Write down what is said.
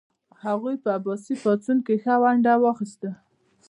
هغوی په عباسي پاڅون کې ښه ونډه واخیسته.